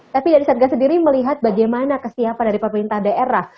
tapi dari satgas sendiri melihat bagaimana kesiapan dari pemerintah daerah